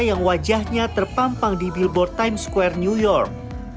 yang wajahnya terpampang di billboard time square new york